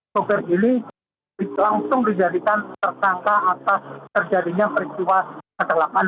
sopir ini langsung dijadikan tersangka atas terjadinya peristiwa kecelakaan